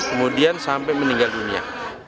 kemudian sampai meninggal dunia